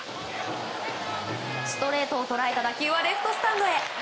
ストレートを捉えた打球はレフトスタンドへ。